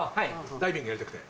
ダイビングやりたくて。